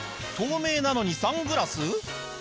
透明なのにサングラス？